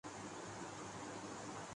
شجرکاری مہم تصاویر کو پسند کیا گیا